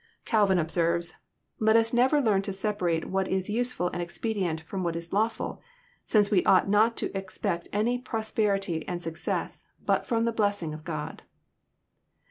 Calvin observes :^* Let ns learn never to separate what is nse ftil and expedient Ax>m what ts lawftil, since we ought not to expect any prosperity and success but from the blessing of God."